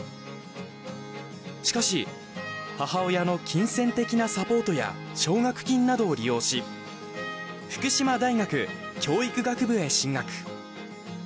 しかし母親の金銭的なサポートや奨学金などを利用し福島大学教育学部へ進学。